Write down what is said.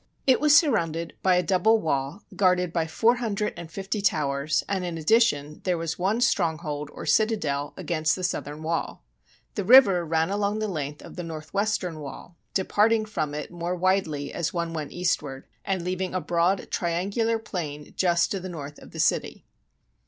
It was surrounded by a double wall, guarded by four hun dred and fifty powers, and, in addition, there was one stronghold, or citadel, against the southern wall. The river ran along the length of the north western wall, departing from it more widely as one went eastward, and leaving a broad triangular plain just to the north of the city.